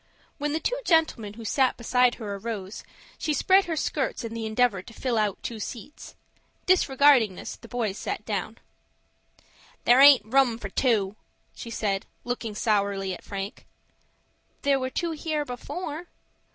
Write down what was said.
When the two gentlemen who sat beside her arose, she spread her skirts in the endeavor to fill two seats. Disregarding this, the boys sat down. "There aint room for two," she said, looking sourly at Frank. "There were two here before."